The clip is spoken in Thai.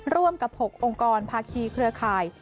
ร่วมกับ๖องค์กรภาคีเครือข่าย